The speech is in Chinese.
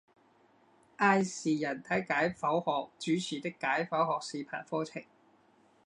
艾氏人体解剖学主持的解剖学视频课程。